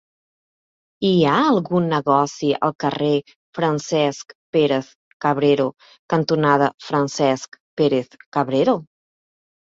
Hi ha algun negoci al carrer Francesc Pérez-Cabrero cantonada Francesc Pérez-Cabrero?